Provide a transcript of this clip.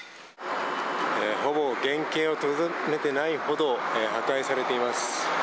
ほぼ原形をとどめてないほど破壊されています。